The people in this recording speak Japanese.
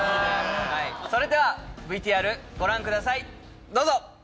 それではＶＴＲご覧ください。